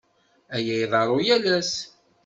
Aya iḍerru yal ass.